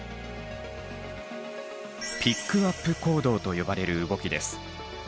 「ピックアップ行動」と呼ばれる動きです。